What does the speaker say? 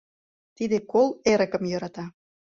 Тиде кол эрыкым йӧрата.